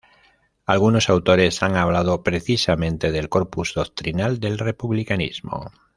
Algunos autores han hablado, precisamente, del corpus doctrinal del republicanismo.